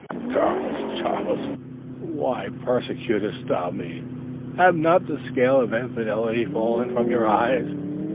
"Charles, Charles, why persecutest thou me? Have not the scales of infidelity fallen from your eyes?